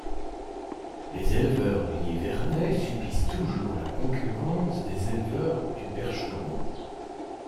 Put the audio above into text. Les éleveurs du nivernais subissent toujours la concurrence des éleveurs du percheron.